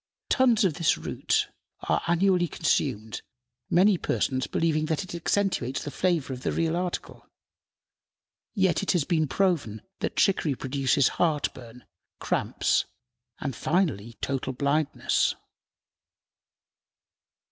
Tons of this root are annually consumed, many persons believing that it accentuates the flavor of the real article. Yet it has been proven that chicory produces heartburn, cramps, and, finally, total blindness.